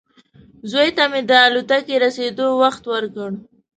زوی ته مې د الوتکې رسېدو وخت ورکړ.